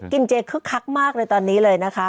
เจคึกคักมากเลยตอนนี้เลยนะคะ